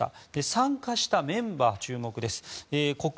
参加したメンバー、注目です。